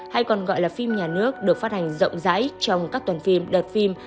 hay còn gọi là phim nhà nước được phát hành rộng rãi trong các tuần phim đợt phim